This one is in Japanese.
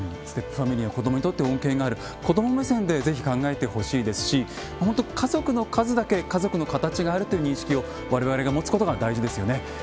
ステップファミリーの子どもにとって恩恵がある子ども目線で是非考えてほしいですし本当家族の数だけ家族の形があるという認識を我々が持つことが大事ですよね。